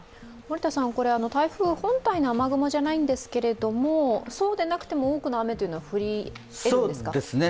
これ、台風本体の雨雲じゃないんですけど、そうでなくても多くの雨というのは降りえるんですか？